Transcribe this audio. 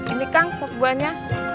ini kang sob buahnya